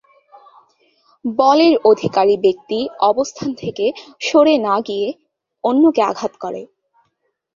বলের অধিকারী ব্যক্তি অবস্থান থেকে সরে না গিয়ে অন্যকে আঘাত করে।